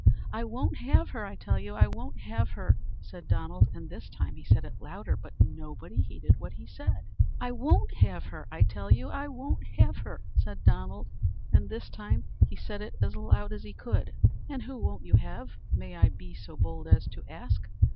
"I won't have her, I tell you; I won't have her!" said Donald; and this time he said it louder; but nobody heeded what he said. "I won't have her, I tell you; I won't have her!" said Donald; and this time he said it as loud as he could. "And who won't you have, may I be so bold as to ask?"